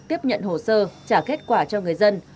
tiếp nhận hồ sơ trả kết quả cho người dân